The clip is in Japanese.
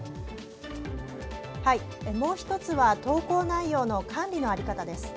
もう１つは投稿内容の管理の在り方です。